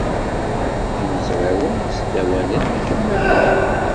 D imezrawen isdawanen akken ma llan.